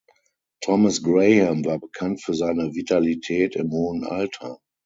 Thomas Graham war bekannt für seine Vitalität im hohen Alter.